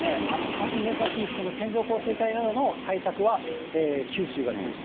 まず、目先、線状降水帯などの対策は、九州が中心。